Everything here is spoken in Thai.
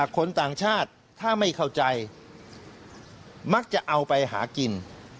คนต่างชาติถ้าไม่เข้าใจมักจะเอาไปหากิน